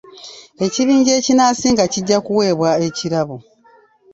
Ekibinja ekinasinga kijja kuweebwa ekirabo.